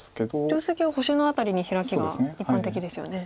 定石は星の辺りにヒラキが一般的ですよね。